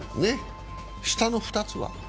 下の２つは？